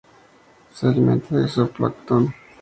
Se alimenta de zooplancton.